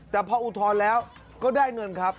แต่พออุทธรณ์แล้วก็ได้เงินครับ